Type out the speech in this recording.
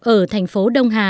ở thành phố đông hà